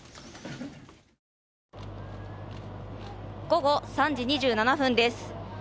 午後３時２７分です。